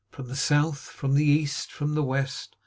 From the south. From the east. From the west.